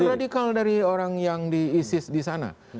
radikal dari orang yang di isis di sana